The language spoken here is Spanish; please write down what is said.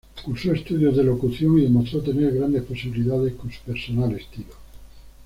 Cursó estudios de locución y demostró tener grandes posibilidades con su personal estilo.